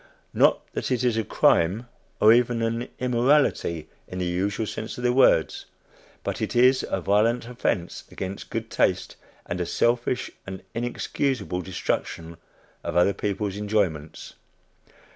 Not that it is a crime or even an immorality in the usual sense of the words; but it is a violent offence against good taste, and a selfish and inexcusable destruction of other people's enjoyments.